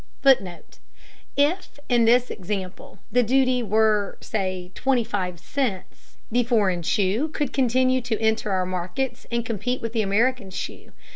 [Footnote: If, in this example, the duty were, say, $.25, the foreign shoe could continue to enter our markets and compete with the American shoe.